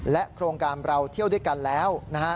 โครงการเราเที่ยวด้วยกันแล้วนะฮะ